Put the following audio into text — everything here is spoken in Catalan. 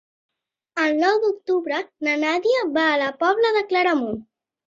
El nou d'octubre na Nàdia va a la Pobla de Claramunt.